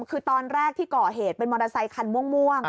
คือตอนแรกที่ก่อเหตุเป็นมอเตอร์ไซคันม่วง